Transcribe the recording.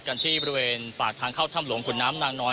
กันที่บริเวณปากทางเข้าถ้ำหลวงขุนน้ำนางนอน